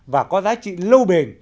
và có giá trị lâu bền